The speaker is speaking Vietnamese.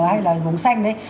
hay là vùng xanh đấy